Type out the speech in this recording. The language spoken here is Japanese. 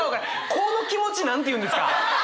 この気持ちなんて言うんですか？